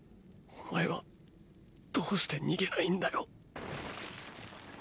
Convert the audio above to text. お前はどうして逃げないんだよ。